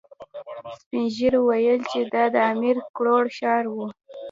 سپين ږيرو ويل چې دا د امير کروړ ښار و.